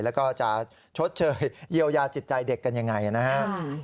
แล้วก็จะชดเชยเยียวยาจิตใจเด็กกันยังไงนะครับ